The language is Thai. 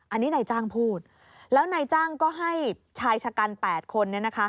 อันนี้นายจ้างพูดแล้วนายจ้างก็ให้ชายชะกัน๘คน